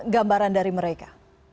gambaran dari mereka